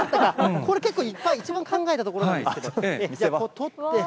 これ、結構一番考えたところなんですけど、では、種を取って。